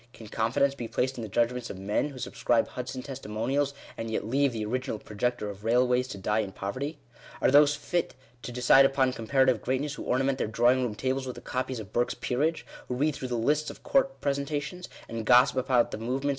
Can confidence be placed in the judgments of men who subscribe Hudson testimonials, and yet leave the original projector of railways to die in poverty ? Are those fit to decide upon comparative greatness who orna ment their drawing room tables with a copy of Burke's Peerage ; who read through the lists of court presentations, and gossip about the movements.